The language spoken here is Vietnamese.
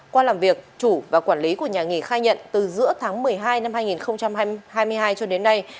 qua làm việc chủ và quản lý của nhà nghị khai nhận từ giữa tháng một mươi hai năm hai nghìn hai mươi hai cho đến nay